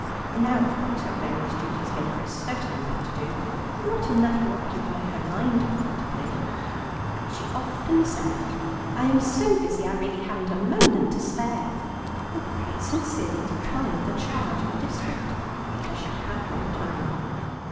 Now, of course, her various duties gave her a certain amount to do, but not enough to occupy her mind profitably. She often said, "I am so busy I really haven't a moment to spare," and quite sincerely declined the charge of a district, because she had no time.